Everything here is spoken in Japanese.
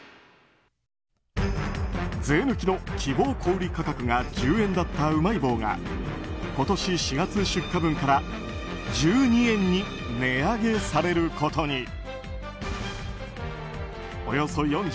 税抜きの希望小売価格が１０円だったうまい棒が今年４月出荷分から１２円に値上げされることに。